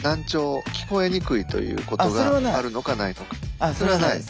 あっそれはないです。